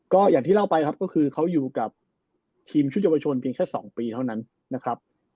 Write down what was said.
ก็อย่างที่เล่าไปครับก็คือเขาอยู่กับทีมชุดเยาวชนเพียงแค่๒ปีเท่านั้นนะครับ